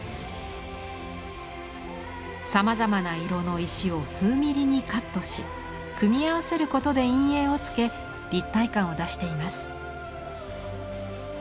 さまざまな色の石を数ミリにカットし組み合わせることで陰影をつけ立体感を出しています。